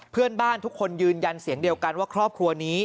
เพื่อนบ้านทุกคนยืนยันเสียงเดียวกันว่าครอบครัวนี้